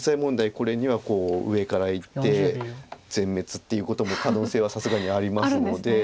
これには上からいって全滅っていうことも可能性はさすがにありますので。